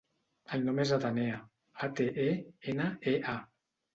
El nom és Atenea: a, te, e, ena, e, a.